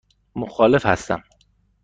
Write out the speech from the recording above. مخالف هستم.